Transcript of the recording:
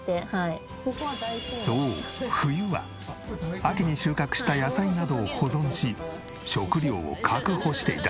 そう冬は秋に収穫した野菜などを保存し食料を確保していた。